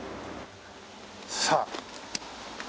さあ。